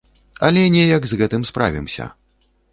Але неяк з гэтым справімся.